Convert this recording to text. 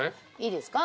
いいですか？